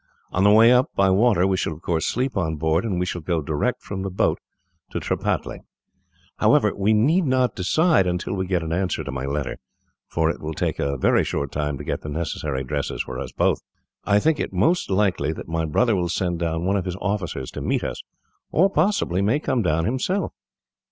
On the way up, by water, we shall of course sleep on board, and we shall go direct from the boat to Tripataly. "However, we need not decide until we get an answer to my letter, for it will take a very short time to get the necessary dresses for us both. I think it most likely that my brother will send down one of his officers to meet us, or possibly may come down himself.